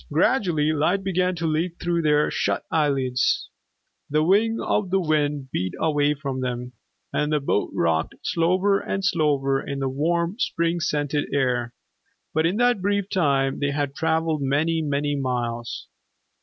Gradually light began to leak through their shut eyelids, the wing of the wind beat away from them, and the boat rocked slower and slower in warm, spring scented air. But in that brief time, they had traveled many, many miles.